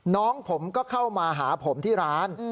น้องผมก็เข้ามาหาผมที่ร้าน